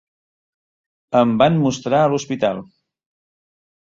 Em van mostrar a l'hospital.